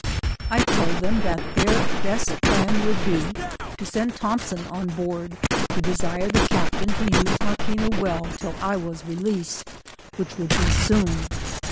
I told them that their best plaa would be, to send TlifcnpsoQ on hoard, to desire the captain to use Maquina well till I was released, which would be soon.